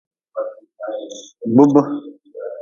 Kpub.